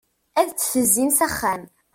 Ad d-tezim s axxam.